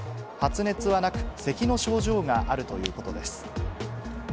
発熱はなく、せきの症状があるということです。